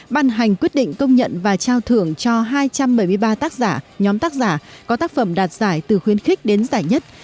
ban hành quyết định công nhận và trao thưởng cho hai trăm bảy mươi ba tác giả nhóm tác giả có tác phẩm đạt giải từ khuyến khích đến giải nhất